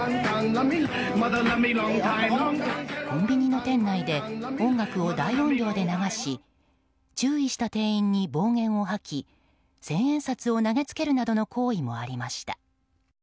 コンビニの店内で音楽を大音量で流し注意した店員に暴言を吐き千円札を投げつけるなどの行為もありました。